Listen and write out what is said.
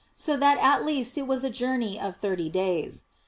so that at least it was a journey of thirty days.